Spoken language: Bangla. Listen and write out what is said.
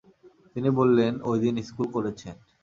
তিনি বলেছেন, ঐদিন স্কুল করেছেন।